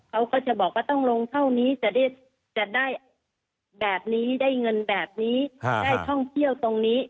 เขาก็จะบอกว่าต้องลงเท่านี้จะได้แบบนี้ได้เงินแบบนี้ได้ท่องเที่ยวตรงนี้